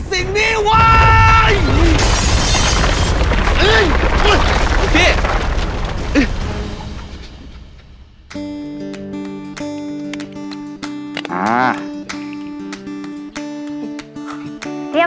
ฉันจะตัดพ่อตัดลูกกับแกเลย